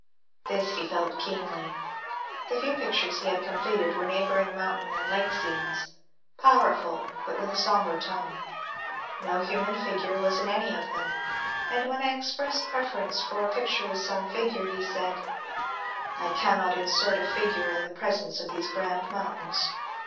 This he felt keenly. The few pictures he had completed were neigh bouring mountain and lake scenes, powerful but with a som bre tone. No human figure was in any of them, and when I expressed preference for a picture with some figure he said, ^' I cannot insert a figure in the presence of these grand mountains.